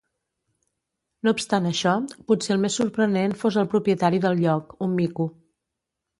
No obstant això, potser el més sorprenent fos el propietari del lloc, un mico.